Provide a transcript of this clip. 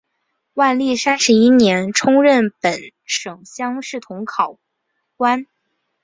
万历三十一年充任本省乡试同考官。